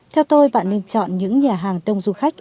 theo tôi bạn nên chọn những nhà hàng đông du khách